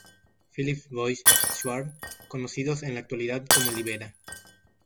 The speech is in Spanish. Philips Boys Choir, conocidos en la actualidad como Libera.